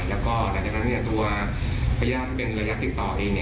แล้วก็หลังจากนั้นตัวพญาติที่เป็นระยะติดต่อเอง